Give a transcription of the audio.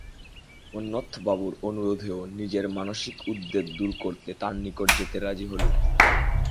মন্মথবাবুর অনুরোধেও নিজের মানসিক উদ্বেগ দূর করতে তার নিকট যেতে রাজী হলুম।